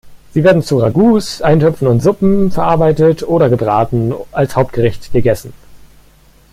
Sie werden zu Ragouts, Eintöpfen und Suppen verarbeitet oder gebraten als Hauptgericht gegessen.